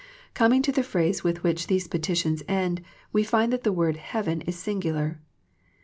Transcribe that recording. Coming to the phrase with which these petitions end we find that the word " heaven " is singular.